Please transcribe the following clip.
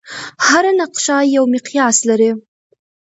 هره نقشه یو مقیاس لري.